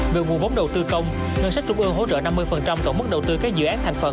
về nguồn vốn đầu tư công ngân sách trung ương hỗ trợ năm mươi tổng mức đầu tư các dự án thành phần